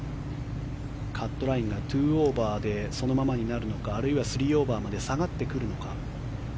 カットラインが２オーバーでそのままになるのかあるいは３オーバーまで下がってくるのか。